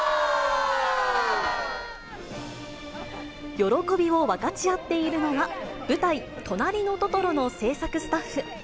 喜びを分かち合っているのは、舞台、となりのトトロの制作スタッフ。